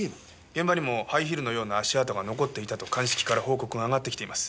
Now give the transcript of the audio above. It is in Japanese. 現場にもハイヒールのような足跡が残っていたと鑑識から報告があがってきています。